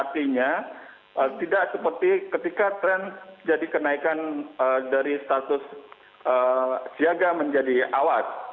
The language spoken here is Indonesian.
artinya tidak seperti ketika tren jadi kenaikan dari status siaga menjadi awas